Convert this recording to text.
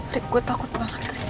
rik gue takut banget rik